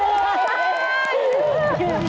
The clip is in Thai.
มันน้อยเกินไปสำหรับรายการเรา